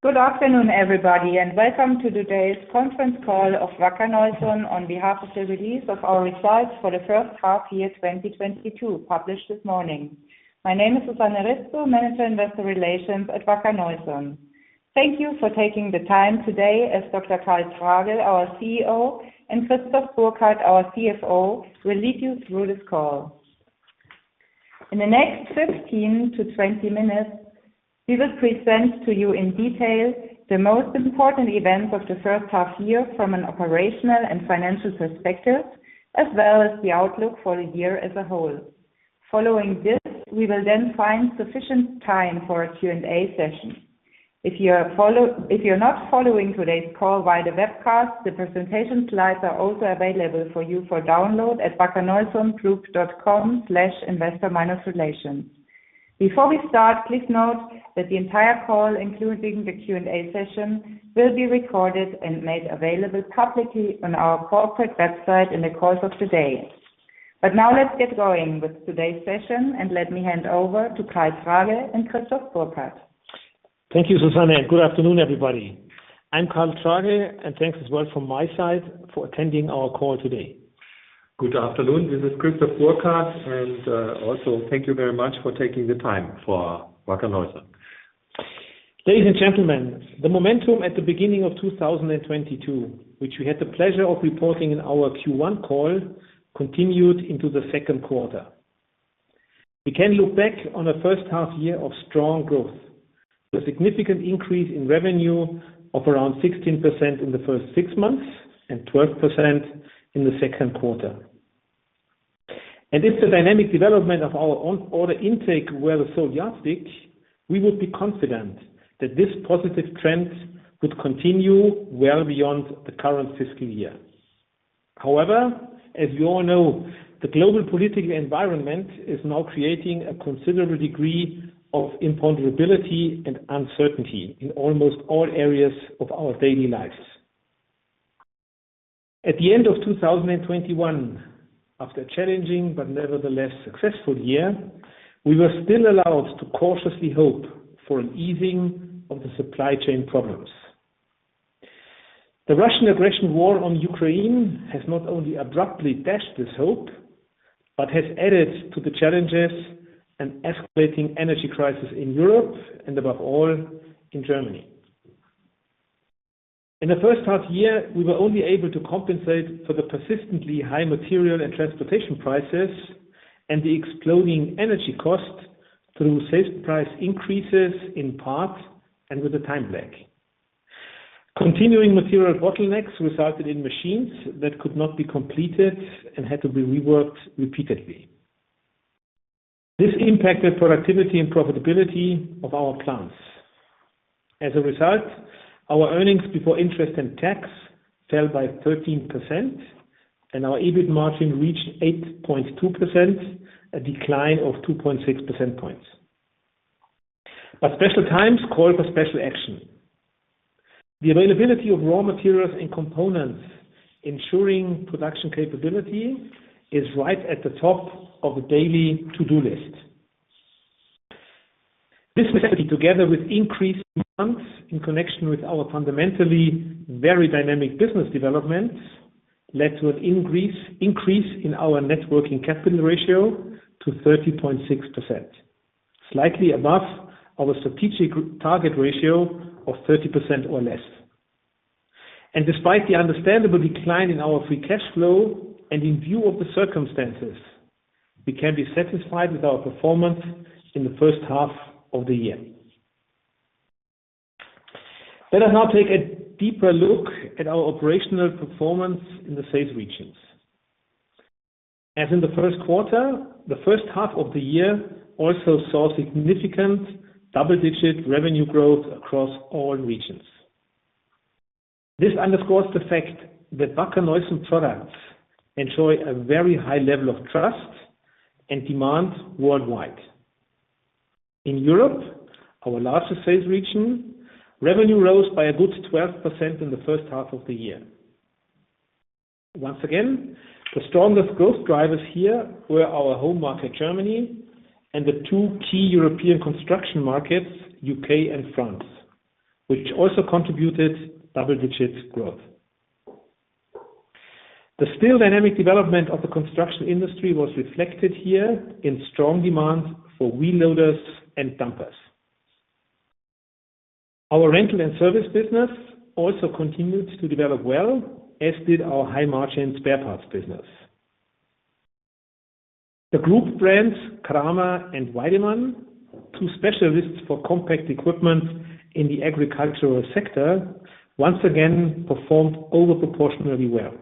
Good afternoon, everybody, and welcome to today's conference call of Wacker Neuson on behalf of the release of our results for the first half year, 2022, published this morning. My name is Susanne Rizzo, Manager Investor Relations at Wacker Neuson. Thank you for taking the time today as Dr. Karl Tragl, our CEO, and Christoph Burkhard, our CFO, will lead you through this call. In the next 15 to 20 minutes, we will present to you in detail the most important events of the first half year from an operational and financial perspective, as well as the outlook for the year as a whole. Following this, we will then find sufficient time for a Q&A session. If you're not following today's call via the webcast, the presentation slides are also available for you for download at wackerneusongroup.com/investor-relations. Before we start, please note that the entire call, including the Q&A session, will be recorded and made available publicly on our corporate website in the course of today. Now let's get going with today's session, and let me hand over to Karl Tragl and Christoph Burkhard. Thank you, Susanne. Good afternoon, everybody. I'm Karl Tragl, and thanks as well from my side for attending our call today. Good afternoon. This is Christoph Burkhard, and also thank you very much for taking the time for Wacker Neuson. Ladies and gentlemen, the momentum at the beginning of 2022, which we had the pleasure of reporting in our Q1 call, continued into the second quarter. We can look back on a first half year of strong growth. The significant increase in revenue of around 16% in the first six months and 12% in the second quarter. If the dynamic development of our own order intake were so drastic, we would be confident that this positive trend would continue well beyond the current fiscal year. However, as you all know, the global political environment is now creating a considerable degree of imponderability and uncertainty in almost all areas of our daily lives. At the end of 2021, after a challenging but nevertheless successful year, we were still allowed to cautiously hope for an easing of the supply chain problems. The Russian aggression war on Ukraine has not only abruptly dashed this hope, but has added to the challenges an escalating energy crisis in Europe and above all in Germany. In the first half year, we were only able to compensate for the persistently high material and transportation prices and the exploding energy costs through sales price increases in part and with a time lag. Continuing material bottlenecks resulted in machines that could not be completed and had to be reworked repeatedly. This impacted productivity and profitability of our plants. As a result, our earnings before interest and tax fell by 13%, and our EBIT margin reached 8.2%, a decline of 2.6 percentage points. Special times call for special action. The availability of raw materials and components ensuring production capability is right at the top of the daily to-do list. This, together with increased demands in connection with our fundamentally very dynamic business development, led to an increase in our net working capital ratio to 30.6%, slightly above our strategic target ratio of 30% or less. Despite the understandable decline in our free cash flow and in view of the circumstances, we can be satisfied with our performance in the first half of the year. Let us now take a deeper look at our operational performance in the sales regions. As in the first quarter, the first half of the year also saw significant double-digit revenue growth across all regions. This underscores the fact that Wacker Neuson products enjoy a very high level of trust and demand worldwide. In Europe, our largest sales region, revenue rose by a good 12% in the first half of the year. Once again, the strongest growth drivers here were our home market, Germany, and the two key European construction markets, UK and France, which also contributed double-digit growth. The still dynamic development of the construction industry was reflected here in strong demand for wheel loaders and dumpers. Our rental and service business also continued to develop well, as did our high-margin spare parts business. The group brands, Kramer and Weidemann, two specialists for compact equipment in the agricultural sector, once again performed disproportionately well.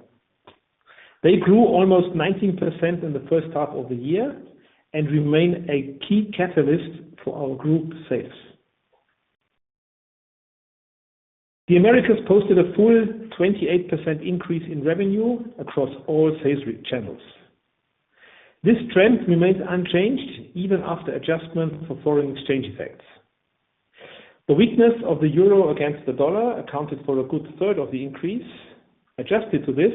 They grew almost 19% in the first half of the year and remain a key catalyst for our group sales. The Americas posted a full 28% increase in revenue across all sales channels. This trend remains unchanged even after adjustment for foreign exchange effects. The weakness of the euro against the dollar accounted for a good third of the increase. Adjusted to this,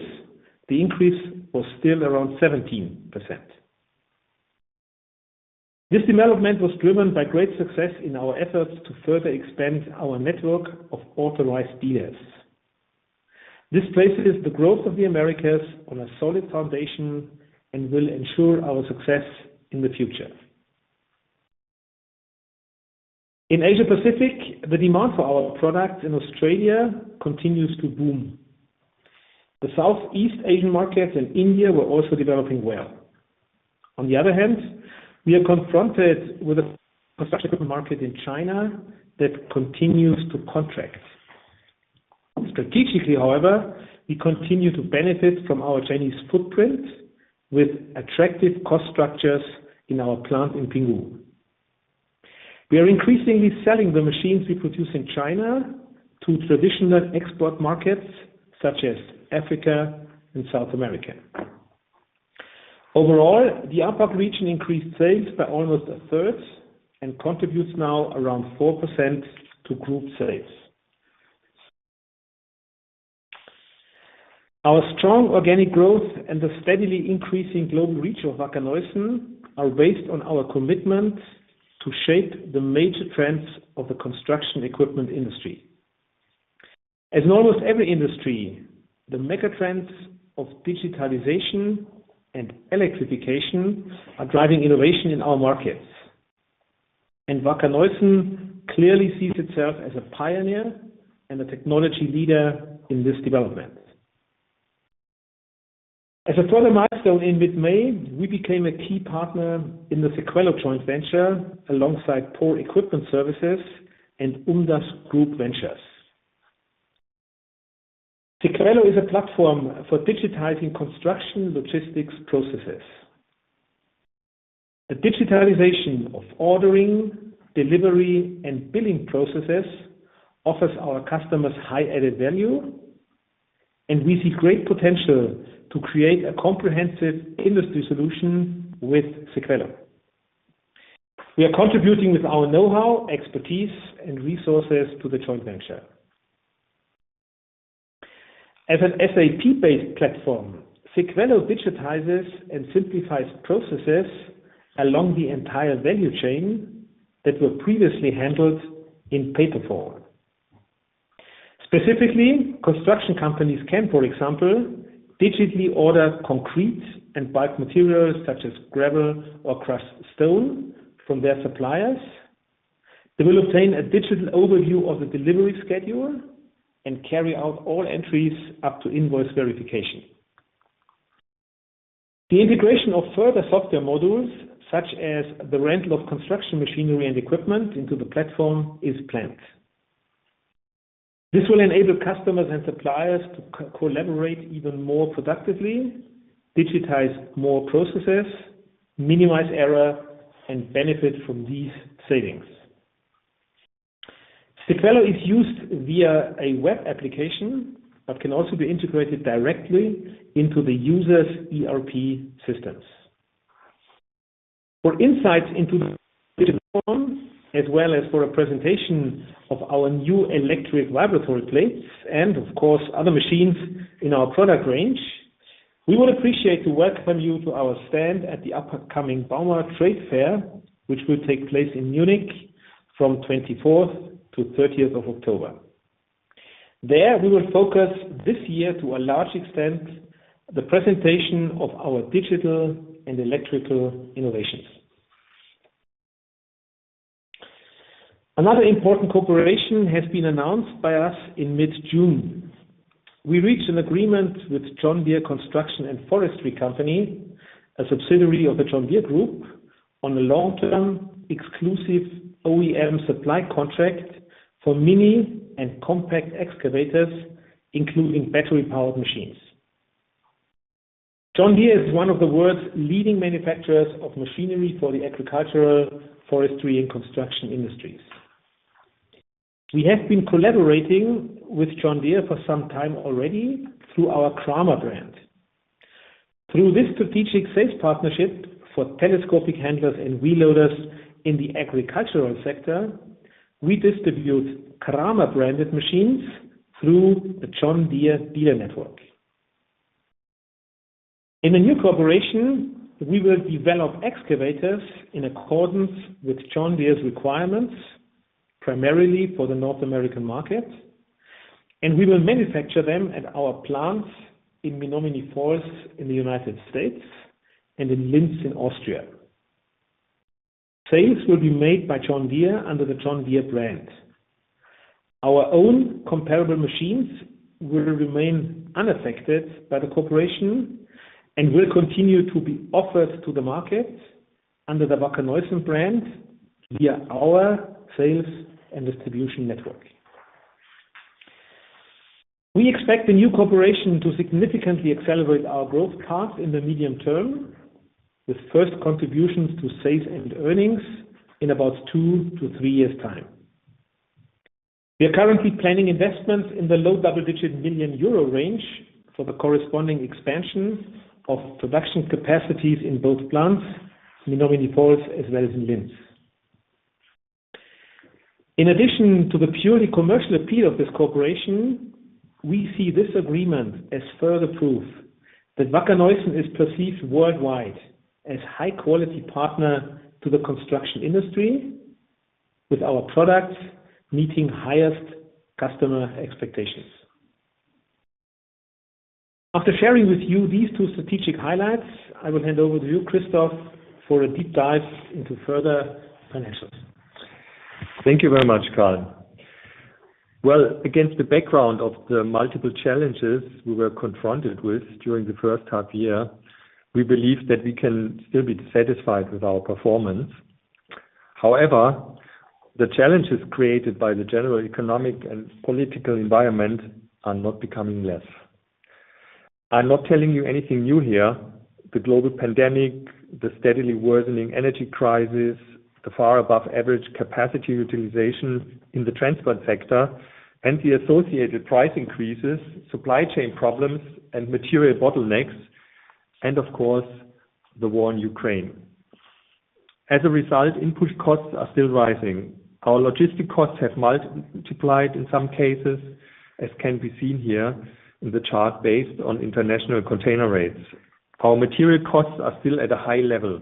the increase was still around 17%. This development was driven by great success in our efforts to further expand our network of authorized dealers. This places the growth of the Americas on a solid foundation and will ensure our success in the future. In Asia Pacific, the demand for our products in Australia continues to boom. The Southeast Asian markets and India were also developing well. On the other hand, we are confronted with a construction market in China that continues to contract. Strategically, however, we continue to benefit from our Chinese footprint with attractive cost structures in our plant in Pinghu. We are increasingly selling the machines we produce in China to traditional export markets such as Africa and South America. Overall, the APAC region increased sales by almost a third and contributes now around 4% to group sales. Our strong organic growth and the steadily increasing global reach of Wacker Neuson are based on our commitment to shape the major trends of the construction equipment industry. As in almost every industry, the mega trends of digitalization and electrification are driving innovation in our markets. Wacker Neuson clearly sees itself as a pioneer and a technology leader in this development. As a further milestone in mid-May, we became a key partner in the Sequello joint venture alongside PORR Equipment Services and Umdas ch Group Ventures. Sequello is a platform for digitizing construction logistics processes. The digitalization of ordering, delivery, and billing processes offers our customers high added value, and we see great potential to create a comprehensive industry solution with Sequello. We are contributing with our know-how, expertise, and resources to the joint venture. As an SAP-based platform, Sequello digitizes and simplifies processes along the entire value chain that were previously handled in paper form. Specifically, construction companies can, for example, digitally order concrete and bulk materials such as gravel or crushed stone from their suppliers. They will obtain a digital overview of the delivery schedule and carry out all entries up to invoice verification. The integration of further software modules, such as the rental of construction machinery and equipment into the platform, is planned. This will enable customers and suppliers to collaborate even more productively, digitize more processes, minimize error, and benefit from these savings. Sequello is used via a web application, but can also be integrated directly into the user's ERP systems. For insights into the platform, as well as for a presentation of our new electric vibratory plates and of course, other machines in our product range, we would appreciate to welcome you to our stand at the upcoming bauma trade fair, which will take place in Munich from 24th to 30th of October. There, we will focus this year to a large extent, the presentation of our digital and electrical innovations. Another important cooperation has been announced by us in mid-June. We reached an agreement with John Deere Construction & Forestry Company, a subsidiary of the John Deere Group, on a long-term exclusive OEM supply contract for mini and compact excavators, including battery-powered machines. John Deere is one of the world's leading manufacturers of machinery for the agricultural, forestry, and construction industries. We have been collaborating with John Deere for some time already through our Kramer brand. Through this strategic sales partnership for telescopic handlers and wheel loaders in the agricultural sector, we distribute Kramer-branded machines through the John Deere dealer network. In the new cooperation, we will develop excavators in accordance with John Deere's requirements, primarily for the North American market, and we will manufacture them at our plants in Menomonee Falls in the United States and in Linz in Austria. Sales will be made by John Deere under the John Deere brand. Our own comparable machines will remain unaffected by the cooperation and will continue to be offered to the market under the Wacker Neuson brand via our sales and distribution network. We expect the new cooperation to significantly accelerate our growth path in the medium term, with first contributions to sales and earnings in about 2-3 years' time. We are currently planning investments in the low double-digit million EUR range for the corresponding expansion of production capacities in both plants, Menomonee Falls as well as in Linz. In addition to the purely commercial appeal of this cooperation, we see this agreement as further proof that Wacker Neuson is perceived worldwide as high quality partner to the construction industry, with our products meeting highest customer expectations. After sharing with you these two strategic highlights, I will hand over to you, Christoph, for a deep dive into further financials. Thank you very much, Karl. Well, against the background of the multiple challenges we were confronted with during the first half year, we believe that we can still be satisfied with our performance. However, the challenges created by the general economic and political environment are not becoming less. I'm not telling you anything new here. The global pandemic, the steadily worsening energy crisis, the far above average capacity utilization in the transport sector and the associated price increases, supply chain problems and material bottlenecks, and of course, the war in Ukraine. As a result, input costs are still rising. Our logistics costs have multiplied in some cases, as can be seen here in the chart based on international container rates. Our material costs are still at a high level,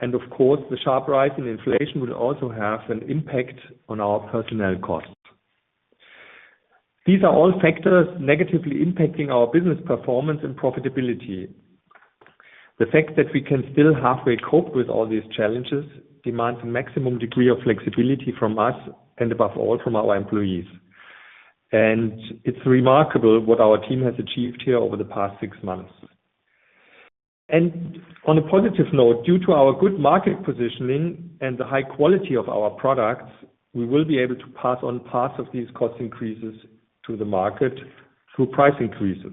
and of course, the sharp rise in inflation will also have an impact on our personnel costs. These are all factors negatively impacting our business performance and profitability. The fact that we can still halfway cope with all these challenges demands a maximum degree of flexibility from us and above all, from our employees. It's remarkable what our team has achieved here over the past six months. On a positive note, due to our good market positioning and the high quality of our products, we will be able to pass on part of these cost increases to the market through price increases.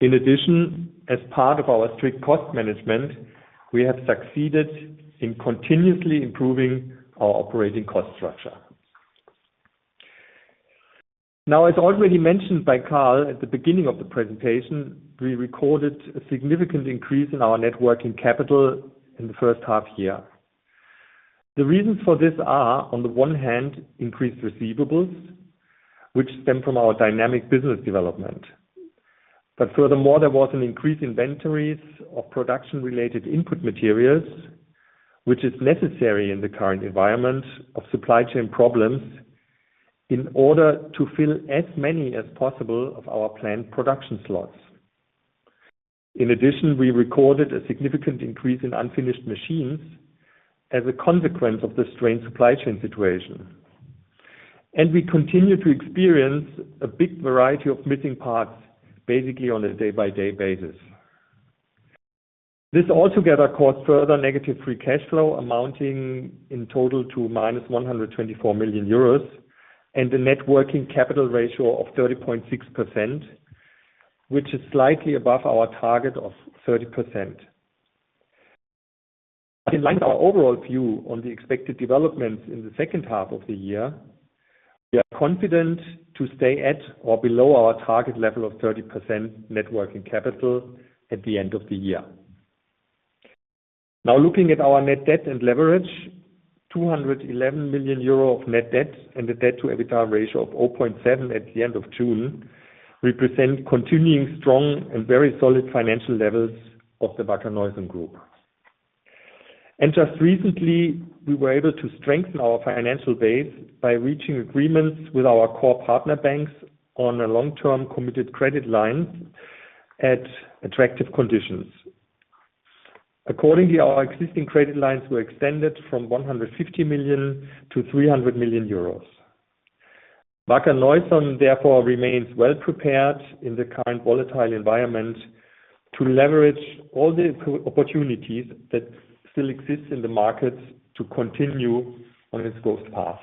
In addition, as part of our strict cost management, we have succeeded in continuously improving our operating cost structure. Now, as already mentioned by Karl at the beginning of the presentation, we recorded a significant increase in our net working capital in the first half year. The reasons for this are, on the one hand, increased receivables, which stem from our dynamic business development. Furthermore, there was an increase in inventories of production-related input materials, which is necessary in the current environment of supply chain problems in order to fill as many as possible of our planned production slots. In addition, we recorded a significant increase in unfinished machines as a consequence of the strained supply chain situation. We continue to experience a big variety of missing parts, basically on a day-by-day basis. This altogether caused further negative free cash flow amounting in total to -124 million euros, and a net working capital ratio of 30.6%, which is slightly above our target of 30%. In line with our overall view on the expected developments in the second half of the year, we are confident to stay at or below our target level of 30% net working capital at the end of the year. Now looking at our net debt and leverage, 211 million euro of net debt and a debt to EBITDA ratio of 0.7 at the end of June represent continuing strong and very solid financial levels of the Wacker Neuson Group. Just recently, we were able to strengthen our financial base by reaching agreements with our core partner banks on a long-term committed credit line at attractive conditions. Accordingly, our existing credit lines were extended from 150 million to 300 million euros. Wacker Neuson therefore remains well prepared in the current volatile environment to leverage all the opportunities that still exist in the markets to continue on its growth path.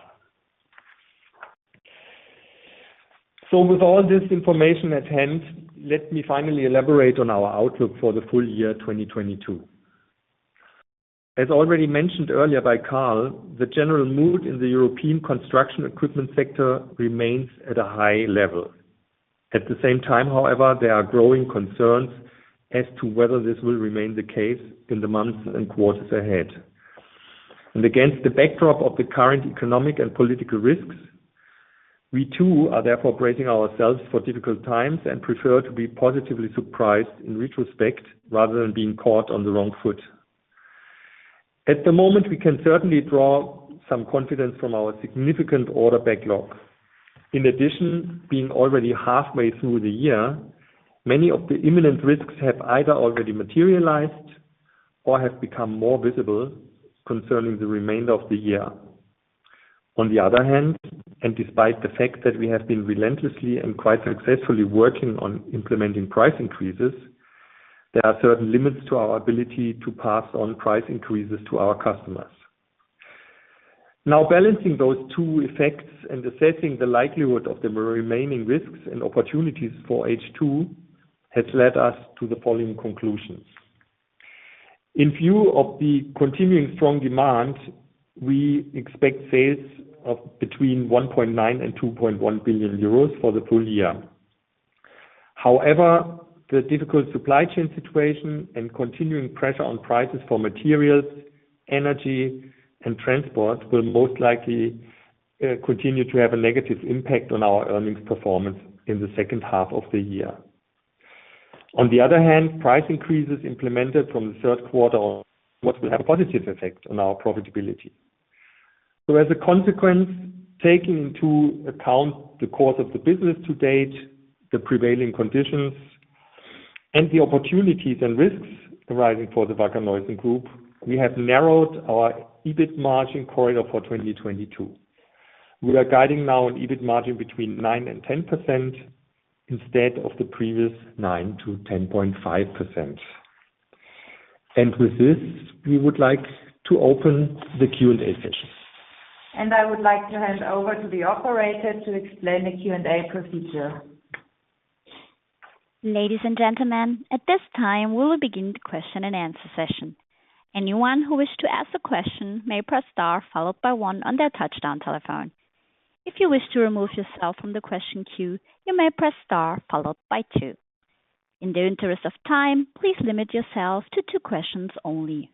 With all this information at hand, let me finally elaborate on our outlook for the full year 2022. As already mentioned earlier by Karl, the general mood in the European construction equipment sector remains at a high level. At the same time, however, there are growing concerns as to whether this will remain the case in the months and quarters ahead. Against the backdrop of the current economic and political risks, we too are therefore bracing ourselves for difficult times and prefer to be positively surprised in retrospect rather than being caught on the wrong foot. At the moment, we can certainly draw some confidence from our significant order backlog. In addition, being already halfway through the year, many of the imminent risks have either already materialized or have become more visible concerning the remainder of the year. On the other hand, and despite the fact that we have been relentlessly and quite successfully working on implementing price increases, there are certain limits to our ability to pass on price increases to our customers. Now, balancing those two effects and assessing the likelihood of the remaining risks and opportunities for H2 has led us to the following conclusions. In view of the continuing strong demand, we expect sales of between 1.9 billion and 2.1 billion euros for the full year. However, the difficult supply chain situation and continuing pressure on prices for materials, energy and transport will most likely continue to have a negative impact on our earnings performance in the second half of the year. On the other hand, price increases implemented from the third quarter will have a positive effect on our profitability. As a consequence, taking into account the course of the business to date, the prevailing conditions and the opportunities and risks arising for the Wacker Neuson Group, we have narrowed our EBIT margin corridor for 2022. We are guiding now an EBIT margin between 9% and 10% instead of the previous 9%-10.5%. With this, we would like to open the Q&A session. I would like to hand over to the operator to explain the Q&A procedure. Ladies and gentlemen, at this time we will begin the question and answer session. Anyone who wishes to ask a question may press star followed by one on their touch-tone telephone. If you wish to remove yourself from the question queue, you may press star followed by two. In the interest of time, please limit yourself to two questions only.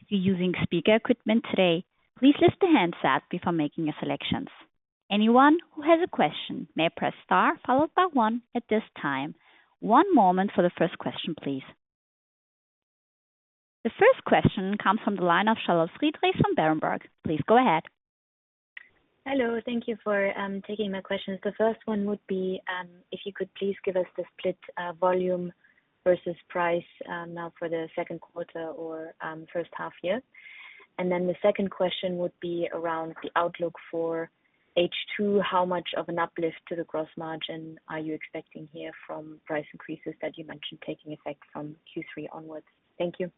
If you're using speaker equipment today, please lift the handset before making your selections. Anyone who has a question may press star followed by one at this time. One moment for the first question, please. The first question comes from the line of Charlotte Friedrichs from Berenberg. Please go ahead. Hello. Thank you for taking my questions. The first one would be, if you could please give us the split, volume versus price, now for the second quarter or, first half year. The second question would be around the outlook for H2. How much of an uplift to the gross margin are you expecting here from price increases that you mentioned taking effect from Q3 onwards? Thank you.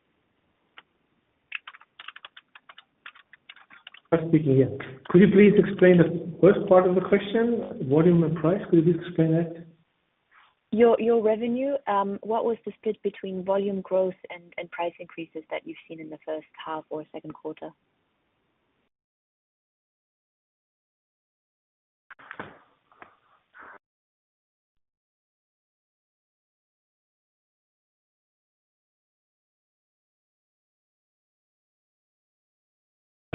I'm speaking here. Could you please explain the first part of the question? Volume and price. Could you please explain that? Your revenue, what was the split between volume growth and price increases that you've seen in the first half or second quarter?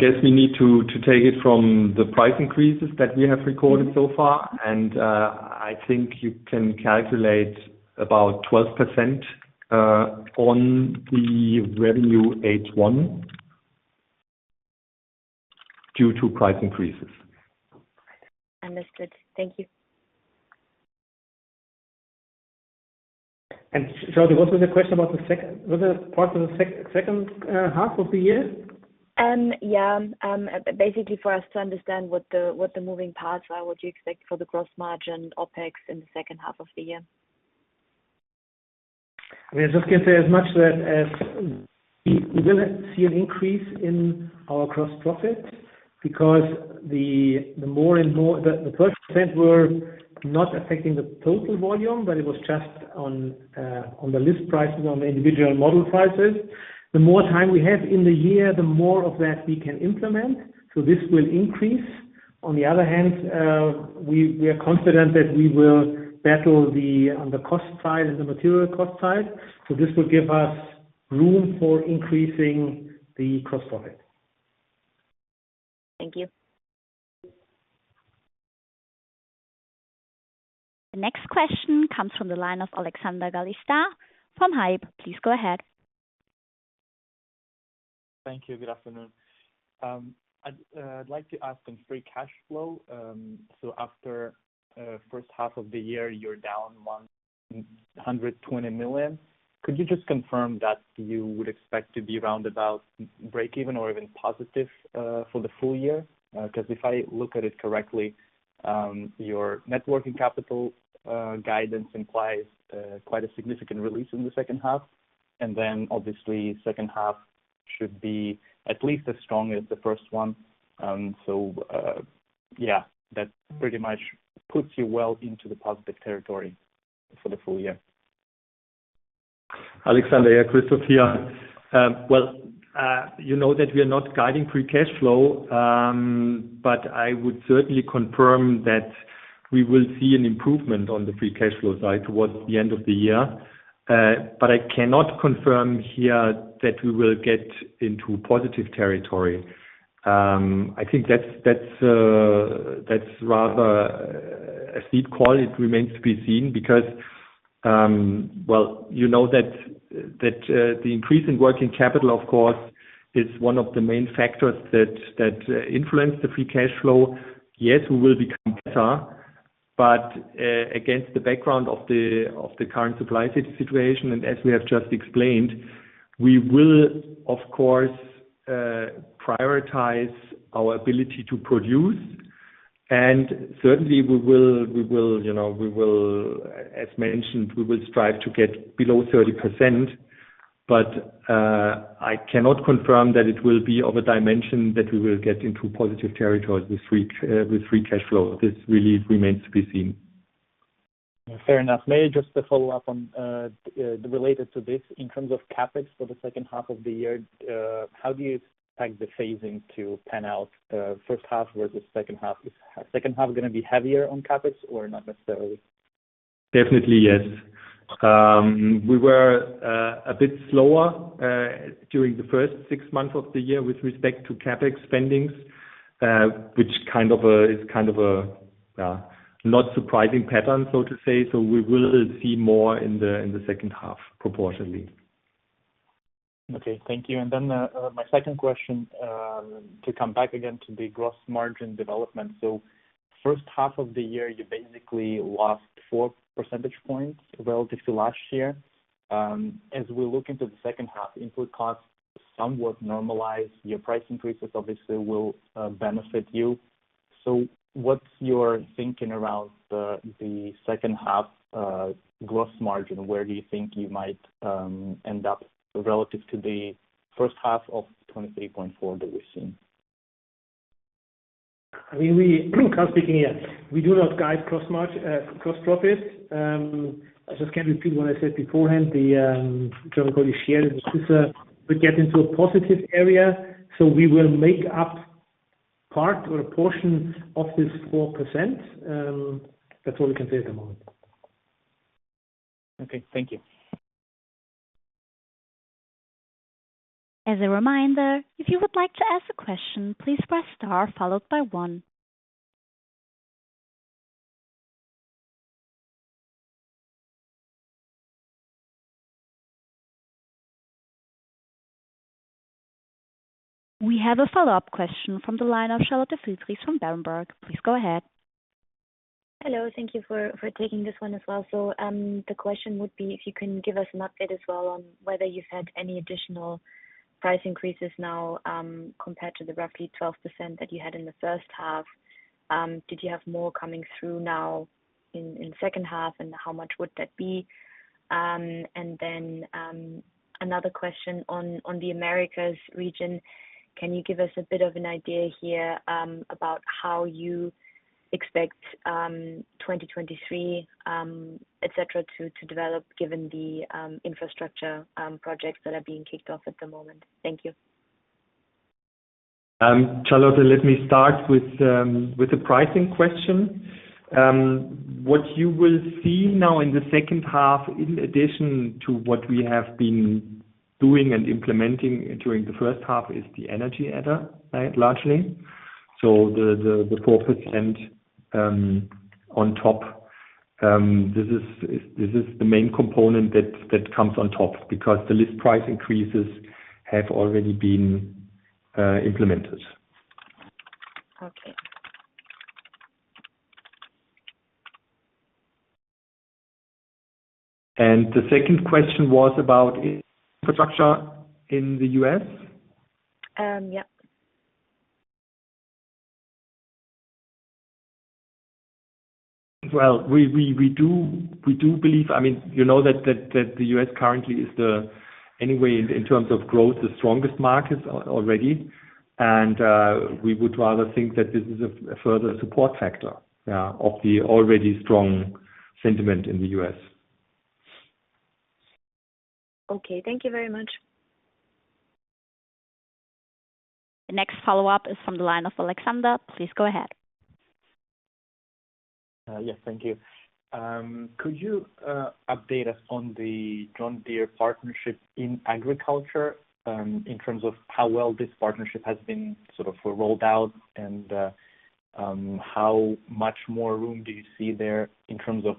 I guess we need to take it from the price increases that we have recorded so far. I think you can calculate about 12% on the revenue H1 due to price increases. Understood. Thank you. Charlotte, what was the question about the second half of the year? Basically for us to understand what the moving parts are, what you expect for the gross margin OpEx in the second half of the year. I mean, I just can say as much that as we will see an increase in our gross profit, because the first percent were not affecting the total volume, but it was just on the list prices, on the individual model prices. The more time we have in the year, the more of that we can implement. This will increase. On the other hand, we are confident that we will battle them on the cost side and the material cost side. This will give us room for increasing the cost of it. Thank you. The next question comes from the line of Alexander Galitsa from Hauck & Aufhäuser. Please go ahead. Thank you. Good afternoon. I'd like to ask on free cash flow. After first half of the year, you're down 120 million. Could you just confirm that you would expect to be around about breakeven or even positive for the full year? 'Cause if I look at it correctly, your net working capital guidance implies quite a significant release in the second half. Obviously second half should be at least as strong as the first one. Yeah, that pretty much puts you well into the positive territory for the full year. Alexander, yeah, Christoph here. Well, you know that we are not guiding free cash flow, but I would certainly confirm that we will see an improvement on the free cash flow side towards the end of the year. I cannot confirm here that we will get into positive territory. I think that's rather a steep call. It remains to be seen because, well, you know that the increase in working capital of course is one of the main factors that influence the free cash flow. Yes, we will become better, but against the background of the current supply situation, and as we have just explained, we will of course prioritize our ability to produce. Certainly we will, you know, as mentioned, we will strive to get below 30%, but I cannot confirm that it will be of a dimension that we will get into positive territory with free cash flow. This really remains to be seen. Fair enough. May I just follow up on, related to this in terms of CapEx for the second half of the year, how do you expect the phasing to pan out, first half versus second half? Is second half gonna be heavier on CapEx or not necessarily? Definitely, yes. We were a bit slower during the first six months of the year with respect to CapEx spending, which kind of is kind of a not surprising pattern, so to say. We will see more in the second half proportionally. Okay. Thank you. Then, my second question, to come back again to the gross margin development. First half of the year, you basically lost 4 percentage points relative to last year. As we look into the second half input costs somewhat normalize your price increases obviously will benefit you. What's your thinking around the second half gross margin? Where do you think you might end up relative to the first half of 23.4% that we've seen? I mean, I'm Karl speaking here. We do not guide gross margins. I just can repeat what I said beforehand. The German body share, which is we get into a positive area, so we will make up part or a portion of this 4%. That's all we can say at the moment. Okay. Thank you. As a reminder, if you would like to ask a question, please press star followed by one. We have a follow-up question from the line of Charlotte Hello. Thank you for taking this one as well. The question would be if you can give us an update as well on whether you've had any additional price increases now, compared to the roughly 12% that you had in the first half. Did you have more coming through now in second half, and how much would that be? And then, another question on the Americas region, can you give us a bit of an idea here, about how you expect 2023, et cetera, to develop given the infrastructure projects that are being kicked off at the moment? Thank you. Charlotte, let me start with the pricing question. What you will see now in the second half in addition to what we have been doing and implementing during the first half is the energy surcharge, largely. The 4% on top, this is the main component that comes on top because the list price increases have already been implemented. Okay. The second question was about infrastructure in the U.S. Yep. Well, we do believe. I mean, you know that the US currently is, anyway, in terms of growth, the strongest market already. We would rather think that this is a further support factor, yeah, of the already strong sentiment in the US. Okay. Thank you very much. The next follow-up is from the line of Alexander. Please go ahead. Yes. Thank you. Could you update us on the John Deere partnership in agriculture, in terms of how well this partnership has been sort of rolled out and, how much more room do you see there in terms of,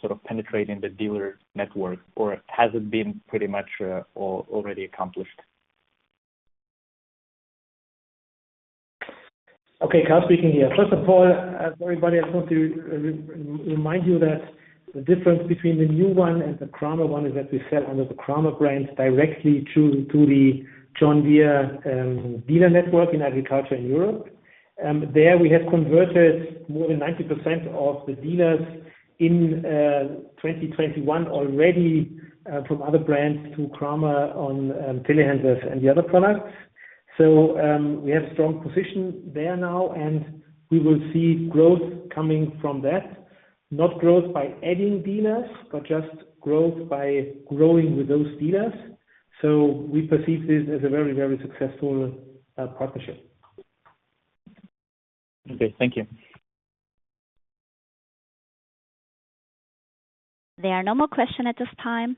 sort of penetrating the dealer network, or has it been pretty much, already accomplished? Okay. Karl speaking here. First of all, as everybody, I just want to remind you that the difference between the new one and the Kramer one is that we sell under the Kramer brand directly to the John Deere dealer network in agriculture in Europe. There we have converted more than 90% of the dealers in 2021 already from other brands to Kramer on telehandlers and the other products. We have strong position there now, and we will see growth coming from that. Not growth by adding dealers, but just growth by growing with those dealers. We perceive this as a very, very successful partnership. Okay. Thank you. There are no more questions at this time.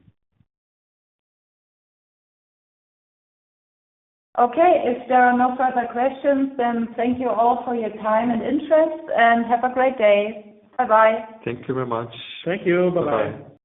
Okay. If there are no further questions, then thank you all for your time and interest, and have a great day. Bye-bye. Thank you very much. Thank you. Bye-bye. Bye-bye.